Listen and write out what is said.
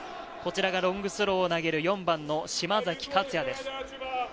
こちらがロングスローを投げる４番の島崎勝也です。